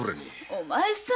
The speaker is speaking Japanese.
お前さん。